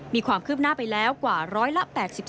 มีความคืบหน้าไปแล้วกว่าร้อยละ๘๒